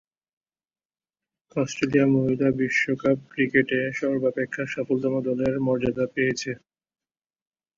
Australia মহিলা বিশ্বকাপ ক্রিকেটে সর্বাপেক্ষা সফলতম দলের মর্যাদা পেয়েছে।